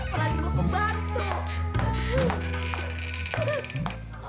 apalagi mau kembar tuh